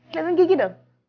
keliatan gigi dong